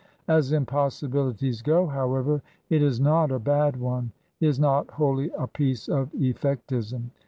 As impossibilities go, however, it is not a bad one; is not wholly a piece of effectism.